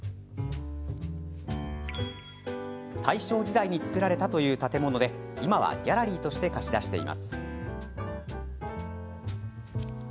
大正時代に造られたという建物で今はギャラリーとして貸し出しています。